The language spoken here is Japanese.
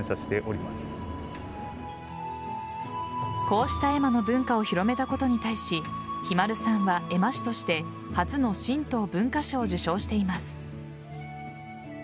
こうした絵馬の文化を広めたことに対しひまるさんは絵馬師として初の神道文化賞を受賞しています。